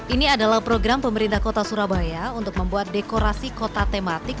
ini adalah program pemerintah kota surabaya untuk membuat dekorasi kota tematik